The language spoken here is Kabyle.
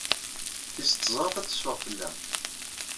Tis tẓat ad teffeɣ fell-am.